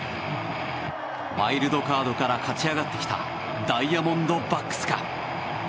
ワイルドカードから勝ち上がってきたダイヤモンドバックスか。